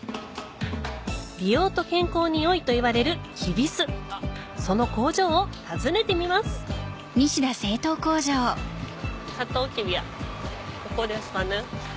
美容と健康に良いといわれるきび酢その工場を訪ねてみますサトウキビやここですかね。